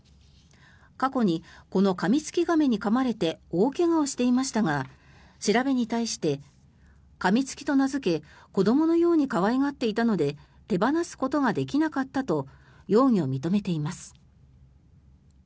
過去にこのカミツキガメにかまれて大怪我をしていましたが調べに対してカミツキと名付け子どものように可愛がっていたので手放すことができなかったと容疑を認めています。